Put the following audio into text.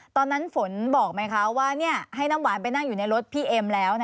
ตอนนั้นฝนบอกไหมคะว่าให้น้ำหวานไปนั่งอยู่ในรถพี่เอ็มแล้ว